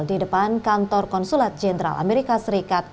di depan kantor konsulat jenderal amerika serikat